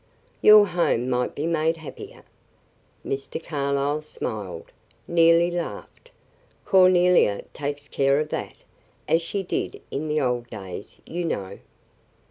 "Your home might be made happier." Mr. Carlyle smiled, nearly laughed. "Cornelia takes care of that, as she did in the old days, you know."